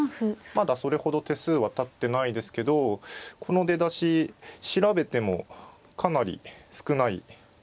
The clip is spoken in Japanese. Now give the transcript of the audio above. まだそれほど手数はたってないですけどこの出だし調べてもかなり少ない。